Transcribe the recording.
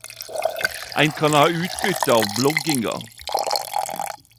Ein kan ha utbytte av blogginga.